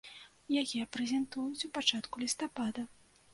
Яе прэзентуюць у пачатку лістапада.